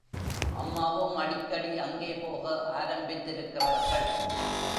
அம்மாவும் அடிக்கடி அங்கே போக ஆரம்பித்திருக்கிறார்கள்.